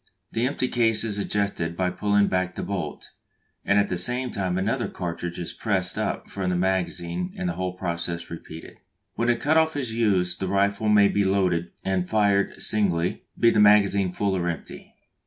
The empty case is ejected by pulling back the bolt, and at the same time another cartridge is pressed up from the magazine and the whole process repeated. When the cut off is used the rifle may be loaded and fired singly, be the magazine full or empty.